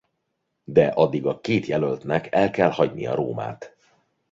De addig a két jelöltnek el kell hagynia Rómát.